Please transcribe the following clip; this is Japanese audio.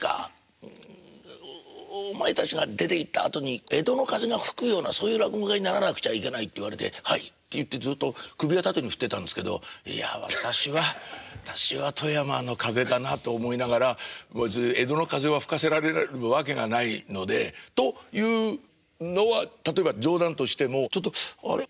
んお前たちが出ていったあとに江戸の風が吹くようなそういう落語家にならなくちゃいけない」って言われて「はい」って言ってずっと首は縦に振ってたんですけどいや私は私は富山の風だなと思いながら江戸の風は吹かせられるわけがないのでというのは例えば冗談としてもあれ？